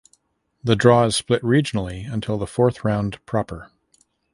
The draw is split regionally until the fourth round proper.